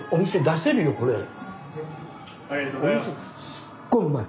すっごいうまい！